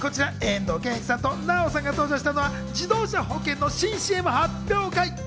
遠藤憲一さんと奈緒さんが登場したのは、自動車保険の新ＣＭ発表会。